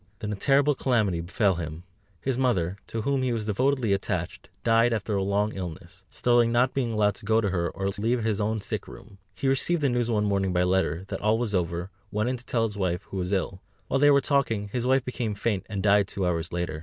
Then a terrible calamity befell him. His mother, to whom he was devotedly attached, died after a long illness, Sterling not being allowed to go to her, or to leave his own sick room. He received the news one morning by letter, that all was over, went in to tell his wife, who was ill; while they were talking, his wife became faint, and died two hours later.